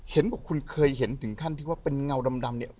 บอกคุณเคยเห็นถึงขั้นที่ว่าเป็นเงาดำเนี่ย